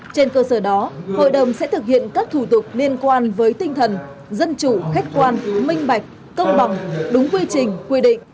trên cơ sở đó hội đồng sẽ thực hiện các thủ tục liên quan với tinh thần dân chủ khách quan minh bạch công bằng đúng quy trình quy định